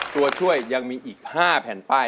ตัวช่วยยังมีอีก๕แผ่นป้าย